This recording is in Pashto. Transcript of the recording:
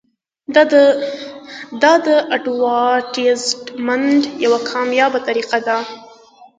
دا د اډورټایزمنټ یوه کامیابه طریقه ده.